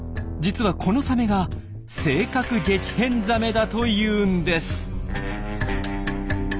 実はこのサメが「性格激変ザメ」だというんです。